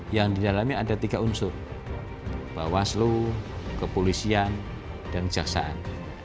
yang didalamnya ada tiga unsur bawaslu kepolisian dan kejaksaan